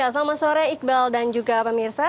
selamat sore iqbal dan juga pak mirsa